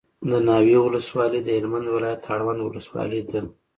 دناوی ولسوالي دهلمند ولایت اړوند ولسوالي ده